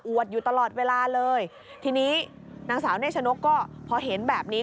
อยู่ตลอดเวลาเลยทีนี้นางสาวเนชนกก็พอเห็นแบบนี้